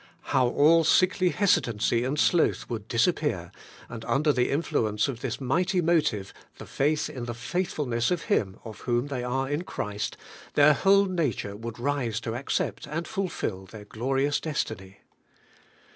How all sickly hesitancy and sloth would disappear, and under the influence of this mighty motive — the faith in the faithfulness of Him of whom they are in Christ — their whole nature would rise to accept and fulfil their glorious destiny!